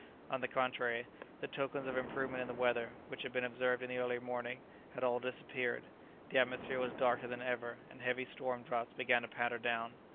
On the contrary, the tokens of improvement in the weather, which had been observed in the early morning, had all disappeared, the atmosphere was darker than ever, and heavy storm drops began to patter down.